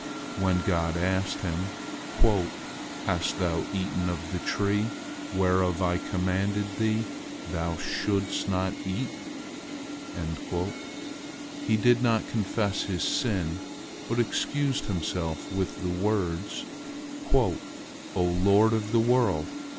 When God asked him, "Hast thou eaten of the tree whereof I commanded thee thou shouldst not eat?" he did not confess his sin, but excused himself with the words: "O Lord of the world!